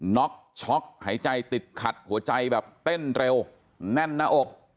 ็อกช็อกหายใจติดขัดหัวใจแบบเต้นเร็วแน่นหน้าอก